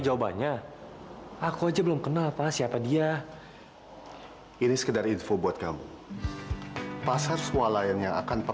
jawabannya aku aja belum kenal pak siapa dia ini sekedar info buat kamu pasar sualayan yang akan